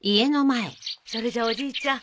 それじゃおじいちゃん